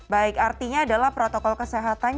baik artinya adalah protokol kesehatan